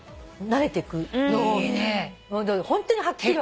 ホントにはっきり分かる。